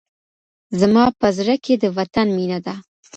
زما په زړه کي د وطن مينه ده.